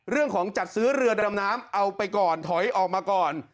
จัดซื้อเรือดำน้ำเอาไปก่อนถอยออกมาก่อน